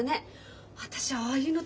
私ああいうのって